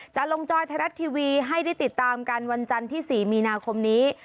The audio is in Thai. จะลงจอยไทยรัฐทีวีให้ได้ติดตามกันวันจันทร์ที่๔มีนาคมนี้